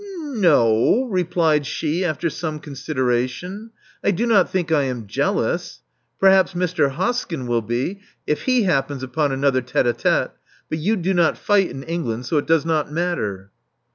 "N — no,*' replied she, after some consideration. "I do not think I am jealous. Perhaps Mr. Hoskyn will be, if he happens upon another tite h tite. But you do not fight in England, so it does not matter."